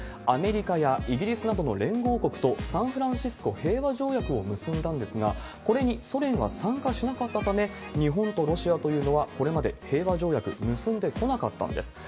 アメリカやイギリスなどの連合国とサンフランシスコ平和条約を結んだんですが、これにソ連が参加しなかったため、日本とロシアというのはこれまで平和条約結んでこなかったんです。